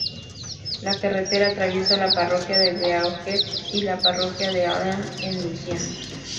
La carretera atraviesa la parroquia de Beauregard y la parroquia de Allen en Luisiana.